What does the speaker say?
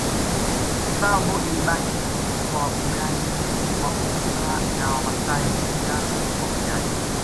Tsavo ilibakia kwa wafugaji wa Orma na Wamasai pia wawindaji